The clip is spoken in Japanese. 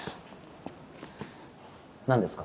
何ですか？